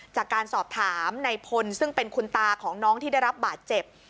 จากการสอบถามในพลซึ่งเป็นคุณตาของน้องที่ได้รับบาดเจ็บ